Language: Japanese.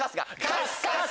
カスカス。